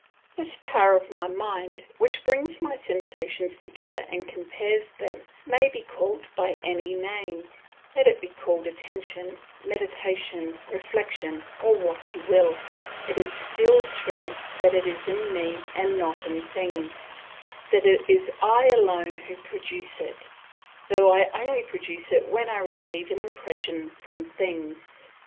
This power of my mind which brings my sensations together and compares them may be called by any name; let it be called attention, meditation, reflection, or what you will; it is still true that it is in me and not in things, that it is I alone who produce it, though I only produce it when I receive an impression from things.